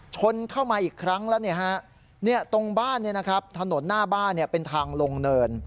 ชนเข้ามาอีกครั้งแล้วตรงบ้านถนนหน้าบ้านเป็นทางลงเนิน